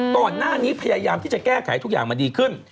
ก่อนหน้านี้พยายามที่จะแก้ไขทุกอย่างมาดีขึ้น